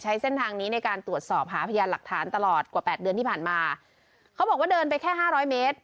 ใช้เส้นทางนี้ในการตรวจสอบหาพยานหลักฐานตลอดกว่าแปดเดือนที่ผ่านมาเขาบอกว่าเดินไปแค่ห้าร้อยเมตร